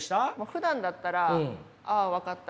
ふだんだったら「ああ分かった。